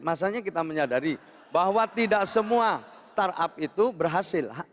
makanya kita menyadari bahwa tidak semua startup itu berhasil